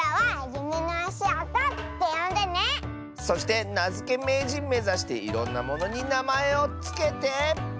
そしてなづけめいじんめざしていろんなものになまえをつけて。